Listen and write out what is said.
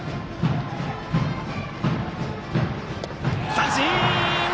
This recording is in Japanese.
三振！